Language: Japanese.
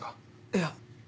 いや。